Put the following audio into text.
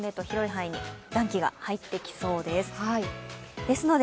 広い範囲に暖気が入ってきそうです。